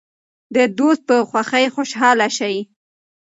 د دوست په خوښۍ خوشحاله شئ.